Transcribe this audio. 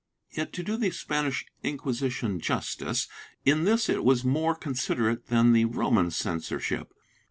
Yet, to do the Spanish Inquisition justice, in this it was more considerate than the Roman censorship.